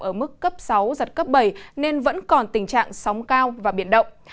ở mức cấp sáu giật cấp bảy nên vẫn còn tình trạng sóng cao và biển động